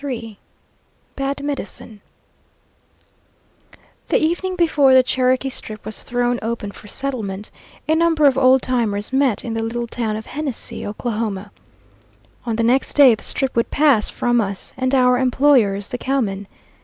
III "BAD MEDICINE" The evening before the Cherokee Strip was thrown open for settlement, a number of old timers met in the little town of Hennessey, Oklahoma. On the next day the Strip would pass from us and our employers, the cowmen.